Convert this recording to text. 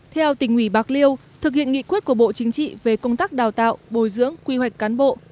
theo tỉnh ủy bạc liêu thực hiện nghị quyết của bộ chính trị về công tác đào tạo bồi dưỡng quy hoạch cán bộ